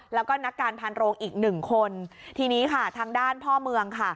แล้วก็นักการพันโรงอีกหนึ่งคนทีนี้ค่ะทางด้านพ่อเมืองค่ะ